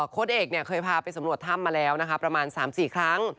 เอกเนี่ยเคยพาไปสำรวจถ้ำมาแล้วนะคะประมาณ๓๔ครั้ง